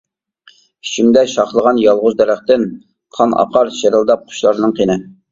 ئىچىمدە شاخلىغان يالغۇز دەرەختىن، قان ئاقار شىرىلداپ قۇشلارنىڭ قېنى.